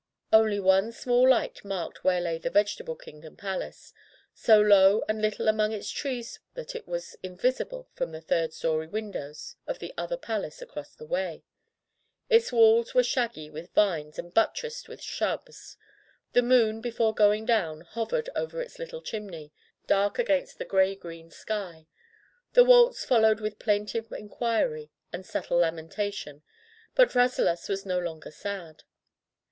Only one small light marked where lay the Vegetable Kingdom palace, so low and little among its trees that it was invisible from the third story windows of the other palace across the way. Its walls were shaggy with vines and buttressed with shrubs. The moon, going before, hovered over its little chinmey, dark against the gray green sky. The waltz followed with plaintive inquiry and subtle lamentation, but Rasselas was no longer sad.